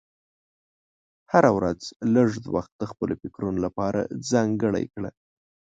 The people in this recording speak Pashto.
هره ورځ لږ وخت د خپلو فکرونو لپاره ځانګړی کړه.